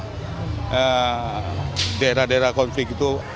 karena daerah daerah konflik itu